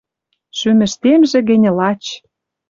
Шӱмӹштемжӹ гӹньӹ лач